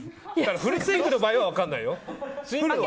フルスイングの場合は分からないよ。